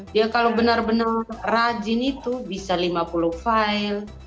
dia kalau benar benar rajin itu bisa lima puluh file